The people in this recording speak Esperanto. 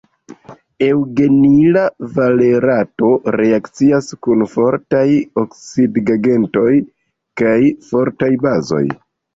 Eŭgenila valerato reakcias kun fortaj oksidigagentoj kaj fortaj bazoj.